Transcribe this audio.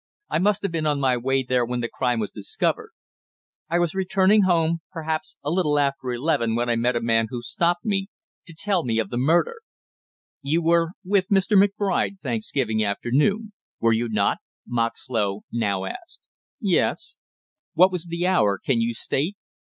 "I must have been on my way there when the crime was discovered; I was returning home perhaps a little after eleven when I met a man who stopped me to tell me of the murder " "You were with Mr. McBride Thanksgiving afternoon, were you not?" Moxlow now asked. "Yes." "What was the hour, can you state?"